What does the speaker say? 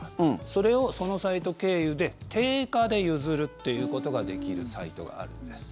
それを、そのサイト経由で定価で譲るということができるサイトがあるんです。